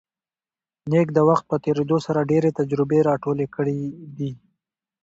نیکه د وخت په تېرېدو سره ډېرې تجربې راټولې کړي دي.